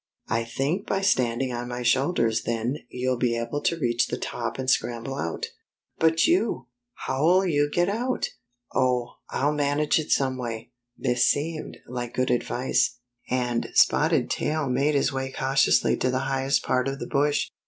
I think by standing on my shoulders then you'll be able to reach tihe top and scramble out." " But you ? How'll you get out ?"" Oh, I'll manage it some way." This seemed like good advice, and Spotted Tail made his way cautiously to the highest part of the bush.